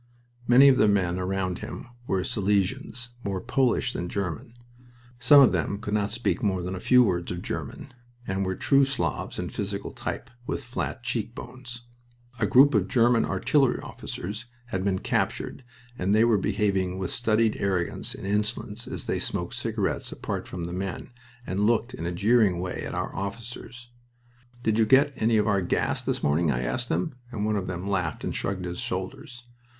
Many of the men around him were Silesians more Polish than German. Some of them could not speak more than a few words of German, and were true Slavs in physical type, with flat cheek bones. A group of German artillery officers had been captured and they were behaving with studied arrogance and insolence as they smoked cigarettes apart from the men, and looked in a jeering way at our officers. "Did you get any of our gas this morning?" I asked them, and one of them laughed and shrugged his shoulders.